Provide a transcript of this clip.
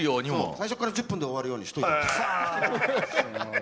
最初から１０分で終わるようにしといたんです。